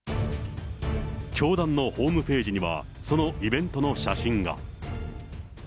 教団のホームページには、そのイベントの写真が。